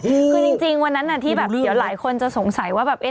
คือจริงวันนั้นที่แบบเดี๋ยวหลายคนจะสงสัยว่าแบบ